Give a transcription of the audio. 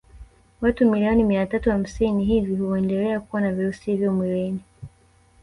Watu milioni mia tatu hamsini hivi huendelea kuwa na virusi hivyo mwilini